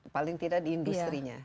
paling tidak di industri nya